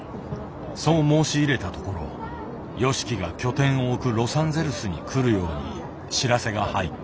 そう申し入れたところＹＯＳＨＩＫＩが拠点を置くロサンゼルスに来るように知らせが入った。